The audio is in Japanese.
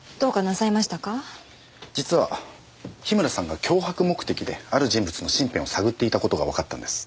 実は樋村さんが脅迫目的である人物の身辺を探っていた事がわかったんです。